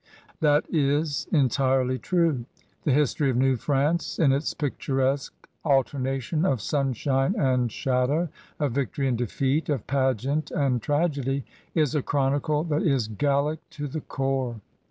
That is entirely true. The history of New France in its picturesque alternation of sunshine and shadow, of victory and defeat, of pageant and tragedy, i& a chronicle that is Gallic to the core.